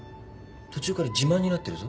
途中から自慢になってるぞ。